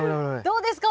どうですか？